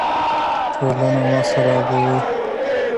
ټولنه مه خرابوئ